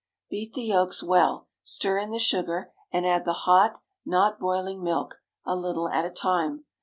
Beat the yolks well, stir in the sugar, and add the hot, not boiling milk, a little at a time.